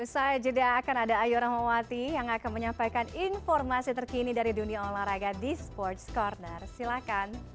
saya juga akan ada ayurwa mawati yang akan menyampaikan informasi terkini dari dunia olahraga di sports corner silahkan